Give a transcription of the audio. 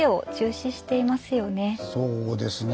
そうですね。